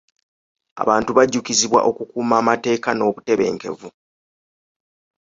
Abantu bajjukizibwa okukuuma amateeka n'obutebenkevu.